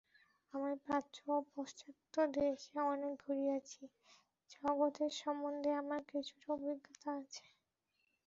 আমি প্রাচ্য ও পাশ্চাত্যদেশে অনেক ঘুরিয়াছি, জগতের সম্বন্ধে আমার কিছুটা অভিজ্ঞতা আছে।